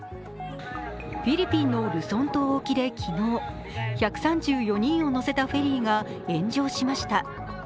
フィリピンのルソン島沖で昨日、１３４人を乗せたフェリーが炎上しました。